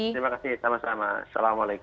terima kasih sama sama assalamualaikum